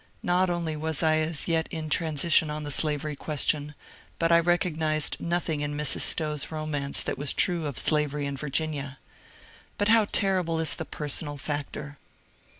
Not only was I as yet in transition on the slavery question, but I re cognized nothing in Mrs. Stowe's romance that was true of slavery in Virginia. But how terrible is the personal factor